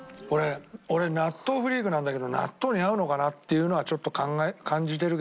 俺納豆フリークなんだけど納豆に合うのかな？っていうのはちょっと感じてるけどね。